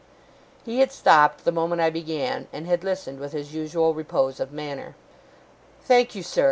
He had stopped the moment I began, and had listened with his usual repose of manner. 'Thank you, sir.